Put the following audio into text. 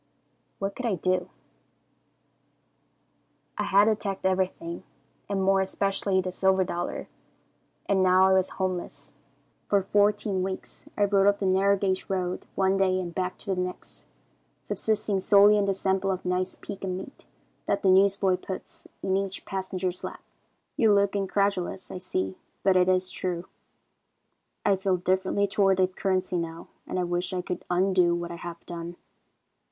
"What could I do? "I had attacked everything, and more especially the silver dollar, and now I was homeless. For fourteen weeks I rode up the narrow gauge road one day and back the next, subsisting solely on the sample of nice pecan meat that the newsboy puts in each passenger's lap. "You look incredulous, I see, but it is true. "I feel differently toward the currency now, and I wish I could undo what I have done.